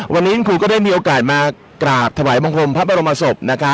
วันนี้คุณครูได้มีโอกาสมากราบถวัยบังคลมภรรมศพนะครับ